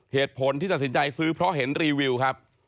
เหตุผลที่ตัดสินใจซื้อเพราะเห็นรีวิวครับ